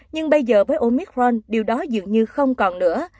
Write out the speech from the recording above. nhưng bây giờ với omicron điều đó dường như không còn nữa